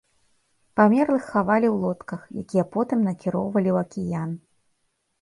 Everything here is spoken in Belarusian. Памерлых хавалі ў лодках, якія потым накіроўвалі ў акіян.